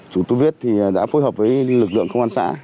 chủ tố viết thì đã phối hợp với lực lượng công an xã